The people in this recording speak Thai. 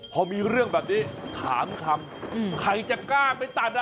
พอมีเรื่องแบบนี้ถามคำใครจะกล้าไปตัดอ่ะ